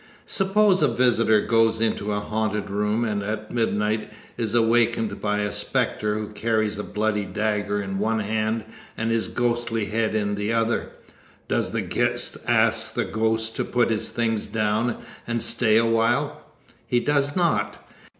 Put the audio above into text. Suppose a visitor goes into a haunted room and at midnight is awakened by a specter who carries a bloody dagger in one hand and his ghostly head in the other; does the guest ask the ghost to put his things down and stay a while? He does not.